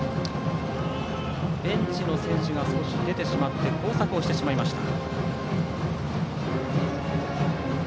ベンチの選手が出てしまって交錯してしまいました。